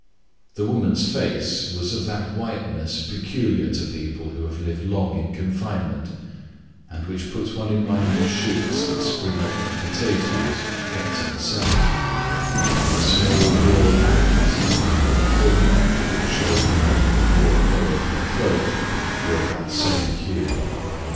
The face of the woman was of that whiteness peculiar to people who have lived long in confinement, and which puts one in mind of shoots of potatoes that spring up in a cellar. Her small broad hands and full neck, which showed from under the broad collar of her cloak, were of the same hue.